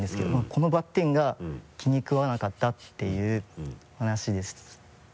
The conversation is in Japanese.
このバッテンが気にくわなかったっていう話です。